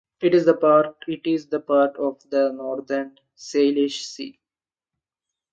It is part of the northern Salish Sea.